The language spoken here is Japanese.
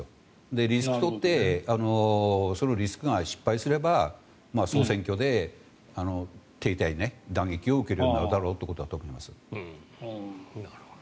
リスクを取ってそのリスクが失敗すれば総選挙で手痛い打撃を受けることになるだろうということなんだと思います。